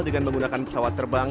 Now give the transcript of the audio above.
dengan menggunakan pesawat terbang